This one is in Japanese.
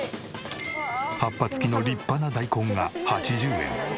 葉っぱ付きの立派な大根が８０円。